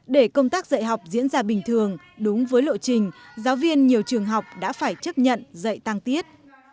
để công tác dạy học diễn ra bình thường đúng với lộ trình giáo viên nhiều trường học đã phải chấp nhận dạy tăng tiết